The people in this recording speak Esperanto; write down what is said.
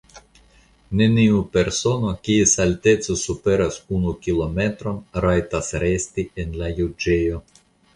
Neniu persono, kies alteco superas unu kilometron, rajtas resti en la juĝejo.